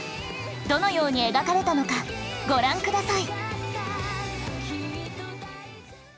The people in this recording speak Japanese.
どのように描かれたのかご覧ください。